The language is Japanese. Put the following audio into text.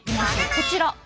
こちら。